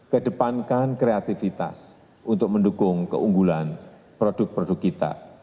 kedepankan kreativitas untuk mendukung keunggulan produk produk kita